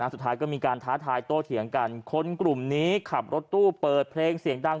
สุดท้ายก็มีการท้าทายโตเถียงกันคนกลุ่มนี้ขับรถตู้เปิดเพลงเสียงดัง